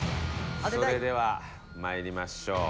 それでは参りましょう。